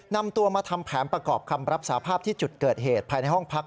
นำตัวมาทำแผนประกอบคำรับสาภาพที่จุดเกิดเหตุภายในห้องพัก